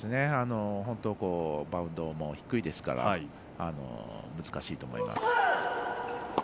バウンドも低いですから難しいと思います。